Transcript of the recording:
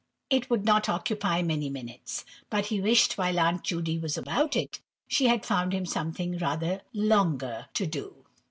It would not occupy many minutes. But he wished, while Aunt Judy was about it, she had found him something rather longer to do!